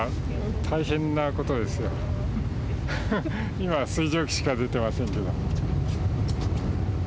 今は水蒸気しか出てませんけど。